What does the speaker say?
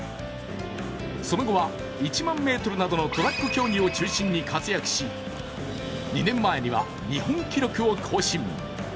その後は１００００ｍなどのトラック競技を中心に活躍し２年前には、日本記録を更新。